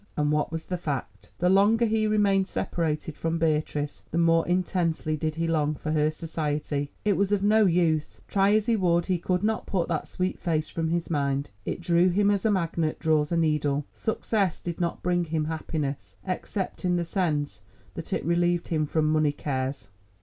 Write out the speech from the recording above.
And what was the fact? The longer he remained separated from Beatrice the more intensely did he long for her society. It was of no use; try as he would, he could not put that sweet face from his mind; it drew him as a magnet draws a needle. Success did not bring him happiness, except in the sense that it relieved him from money cares.